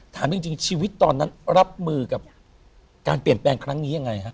ถามจริงชีวิตตอนนั้นรับมือกับการเปลี่ยนแปลงครั้งนี้ยังไงฮะ